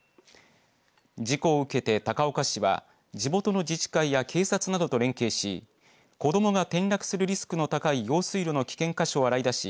事故を受けて高岡市は地元の自治会や警察などと連携し子どもが転落するリスクの高い用水路の危険箇所を洗い出し